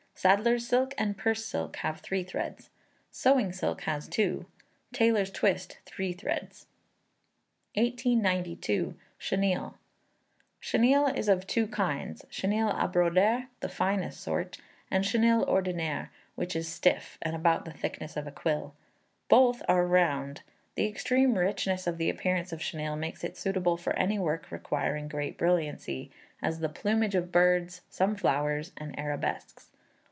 Sadler's Silk and Purse Silk have three threads. Sewing Silk has two. Tailor's Twist three threads. 1892. Chenille. Chenille is of two kinds. Chenille à broder (the finest sort), and chenille ordinaire, which is stiff, and about the thickness of a quill: both are round. The extreme richness of the appearance of chenille makes it suitable for any work requiring great brilliancy; as the plumage of birds, some flowers, and arabesques.